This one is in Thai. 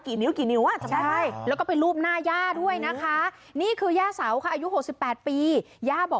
กี่นิ้วจำได้ไหม